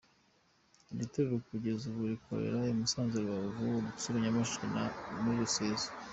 Iri torero kugeza ubu rikorera i Musanze, Rubavu, Rutsiro, Nyamasheke no muri Rusizi.